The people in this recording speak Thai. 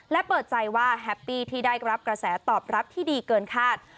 และเปิดใจว่าแฮปปี้ที่ได้รับกระแสตอบรับที่ดีเกินคาด